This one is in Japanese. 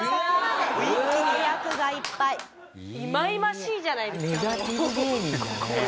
いまいましいじゃないですか。